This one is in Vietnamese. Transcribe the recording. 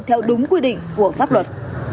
theo đúng quy định của pháp luật